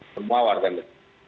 semua warga negara